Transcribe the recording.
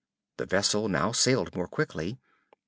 The vessel now sailed more quickly.